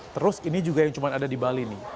terus ini juga yang cuma ada di bali nih